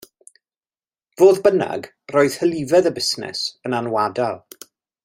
Fodd bynnag roedd hylifedd y busnes yn anwadal.